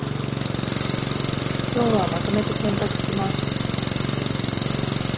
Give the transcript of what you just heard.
今日はまとめて洗濯します